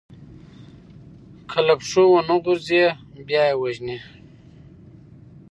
که له پښو ونه غورځي، بیا يې وژني.